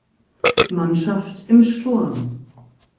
Mannschaft im Sturm.